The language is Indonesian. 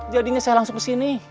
jadinya saya langsung kesini